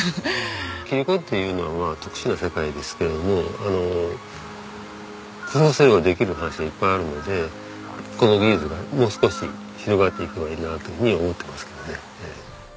切子っていうのはまあ特殊な世界ですけども工夫すればできる場所がいっぱいあるのでこの技術がもう少し広がっていけばいいなというふうに思ってますけどね。